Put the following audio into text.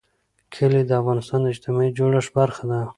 کلي د افغانستان د اجتماعي جوړښت برخه ده.